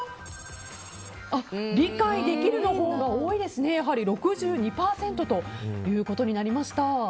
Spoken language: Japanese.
理解できるのほうが多いですね６２％ということになりました。